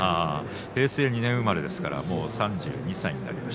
平成２年生まれですから３２歳です。